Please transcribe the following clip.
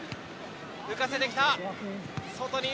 浮かせてきた。